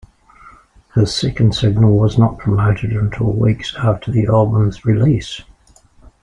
His second single was not promoted until weeks after the album's release.